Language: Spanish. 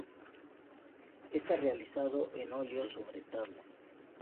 Está realizado en óleo sobre tabla.